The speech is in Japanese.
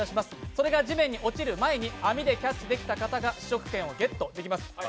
それが地面に落ちる前に網でキャッチできた方が試食権をゲットできます。